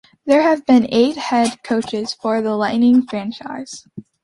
There have been eight head coaches for the Lightning franchise.